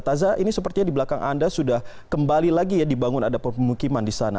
taza ini sepertinya di belakang anda sudah kembali lagi ya dibangun ada pemukiman di sana